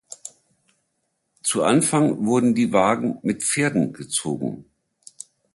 Zu Anfang wurden die Wagen mit Pferden gezogen.